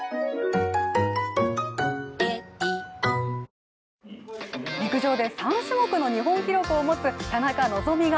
ＳＭＢＣ日興証券陸上で３種目の日本記録を持つ田中希実が